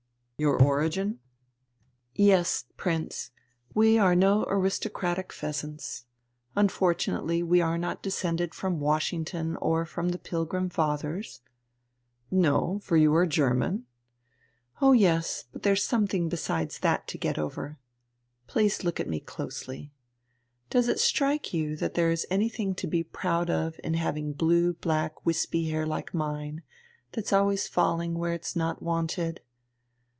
"Your origin?" "Yes, Prince; we are no aristocratic pheasants, unfortunately we are not descended from Washington or from the Pilgrim Fathers." "No, for you are German." "Oh yes, but there's something besides to get over. Please look at me closely. Does it strike you that there is anything to be proud of in having blue black wispy hair like mine, that's always falling where it's not wanted?"